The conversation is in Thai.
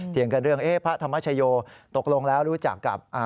เถียงกันเรื่องพระธรรมชโยตกลงแล้วรู้จักกับ